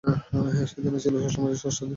সেদিনও ছিল ষষ্ঠ মাসের ষষ্ঠ দিন।